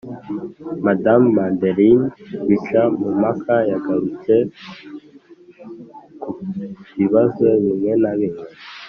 madame madeleine bicamumpaka yagarutse ku bibazo bimwe na bimwe,